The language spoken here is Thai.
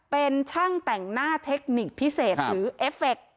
เป็นช่างแต่งหน้าเทคนิคพิเศษหรือเอฟเฟค